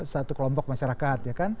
satu kelompok masyarakat